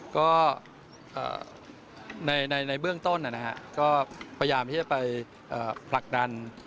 ก็ในเบื้องต้นก็พยายามที่จะไปผลักดัน